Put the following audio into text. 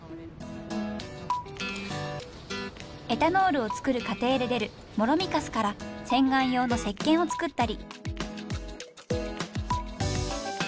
エタノールを作る過程で出るもろみかすから洗顔用のせっけんを作ったり。